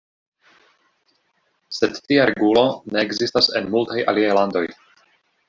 Sed tia regulo ne ekzistas en multaj aliaj landoj.